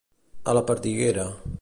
A la perdiguera.